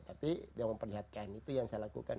tapi dia memperlihatkan itu yang saya lakukan